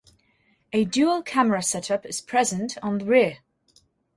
A dual camera setup is present on the rear.